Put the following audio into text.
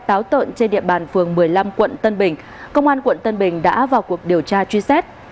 táo tợn trên địa bàn phường một mươi năm quận tân bình công an quận tân bình đã vào cuộc điều tra truy xét